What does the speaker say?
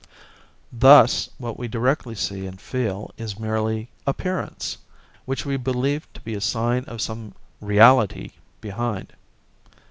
Thus what we directly see and feel is merely 'appearance', which we believe to be a sign of some 'reality' behind.